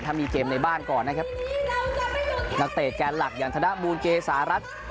ถ้ามีเกมในบ้านก่อนนะครับนักเตะแกนหลักอย่างธนบูลเกษารัฐ